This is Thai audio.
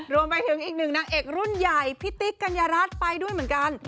รวมไปถึงอีกหนึ่งนางเอกรุ่นใหญ่พี่ติ๊กกัญญารัฐไปด้วยเหมือนกัน